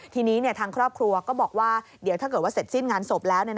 ทีนี้ทางครอบครัวก็บอกว่าเดี๋ยวถ้าเกิดว่าเสร็จสิ้นงานศพแล้ว